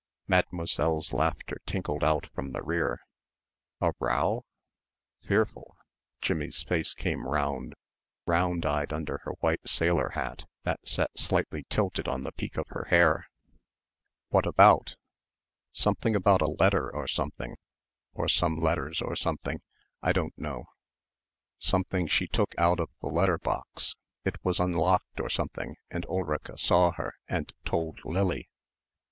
Mademoiselle's laughter tinkled out from the rear. "A row?" "Fearful!" Jimmie's face came round, round eyed under her white sailor hat that sat slightly tilted on the peak of her hair. "What about?" "Something about a letter or something, or some letters or something I don't know. Something she took out of the letter box, it was unlocked or something and Ulrica saw her and told Lily!"